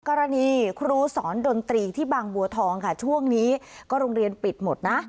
กรณีครูสอนดนตรีที่บางบัวทองค่ะช่วงนี้ก็โรงเรียนปิดหมดนะ